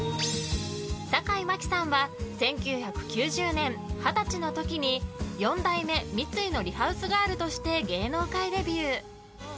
坂井真紀さんは１９９０年、二十歳の時に４代目三井のリハウスガールとして芸能界デビュー。